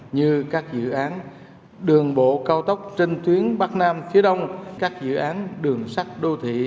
như các dự án đường bộ cao tốc trên tuyến bắc nam phía đông các dự án đường sắt đô thị